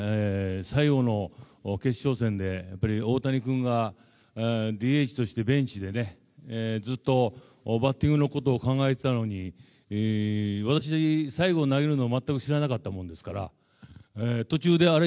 最後の決勝戦で大谷君がＤＨとしてベンチでずっとバッティングのことを考えていたのに私、最後、投げるのを全く知らなかったものですから途中で、あれ？